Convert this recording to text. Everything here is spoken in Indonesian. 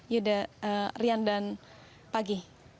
ya udah rian dan pagi